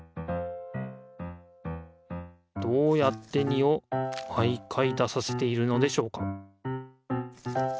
どうやって２を毎回出させているのでしょうか？